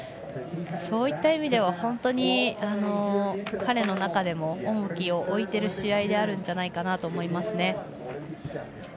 そういった意味では本当に彼の中でも重きを置いている試合じゃないかなと思います。